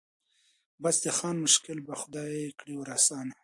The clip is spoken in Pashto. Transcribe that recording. بس د خان مشکل به خدای کړي ور آسانه